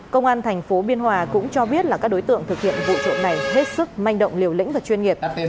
công an thành phố biên hòa cũng cho biết là các đối tượng thực hiện vụ trộm này hết sức manh động liều lĩnh và chuyên nghiệp